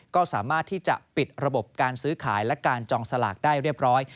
ก็สามารถที่จะปิดระบบการซื้อขายและการจองสลากได้เรียบร้อย